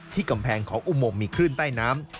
กำแพงของอุโมงมีคลื่นใต้น้ำ